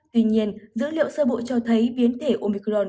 tuy nhiên dữ liệu sơ bộ cho thấy biến thể omicron